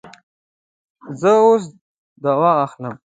زه اوس دوا اخلم